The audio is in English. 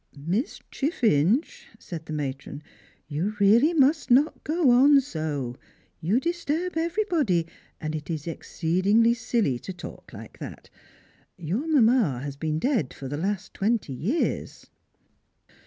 " Miss Chiffinch," said the matron, " you really must not go on so ; you disturb everybody, and it is exceedingly silly to talk like that. Your mamma has been dead for the last twenty years."